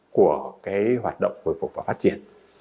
của cái hoạt động hồi phục và phát triển